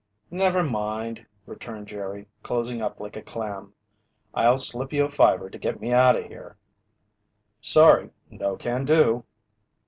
"Never mind," returned Jerry, closing up like a clam. "I'll slip you a fiver to get me out of here." "Sorry. No can do."